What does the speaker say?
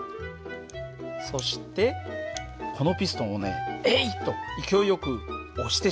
そしてこのピストンをね「えい！」と勢いよく押してしまう。